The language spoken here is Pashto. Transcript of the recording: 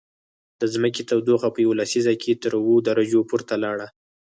د ځمکې تودوخه په یوه لسیزه کې تر اووه درجو پورته لاړه